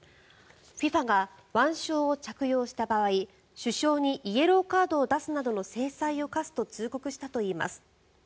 ＦＩＦＡが腕章を着用した場合主将にイエローカードを出すなどの制裁を科すと通告したといいます。